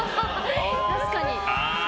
確かに。